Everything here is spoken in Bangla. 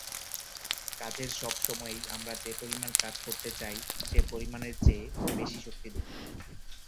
কাজেই সব সময়েই আমরা যে পরিমাণ কাজ করতে চাই সে পরিমাণের চেয়ে বেশি শক্তি দেই।